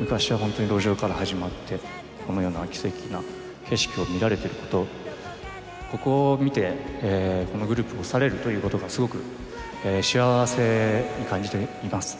昔は本当に路上から始まって、このような奇跡な景色を見られていること、ここを見て、このグループを去れるということをすごく幸せに感じています。